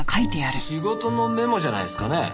仕事のメモじゃないですかね？